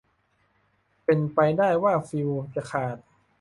เป็นไปได้ว่าฟิวส์จะขาด